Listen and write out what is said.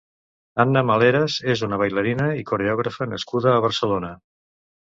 Anna Maleras és una ballarina i coreògrafa nascuda a Barcelona.